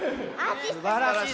すばらしい。